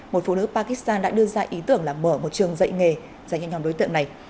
một phụ nữ pakistan đã đưa ra ý tưởng là mở một trường dạy nghề dành cho nhóm đối tượng này